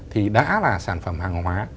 thì đã là sản phẩm hàng hóa